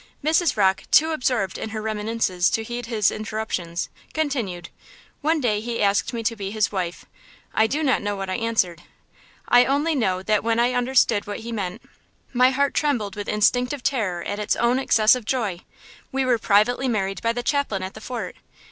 Mrs. Rocke, too absorbed in her reminiscences to heed his interruptions, continued: "One day he asked me to be his wife. I do not know what I answered. I only know that when I understood what he meant, my heart trembled with instinctive terror at its own excessive joy! We were privately married by the chaplain at the fort.